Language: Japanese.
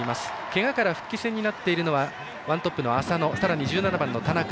けがから復帰戦になっているのはワントップの浅野、１７番、田中。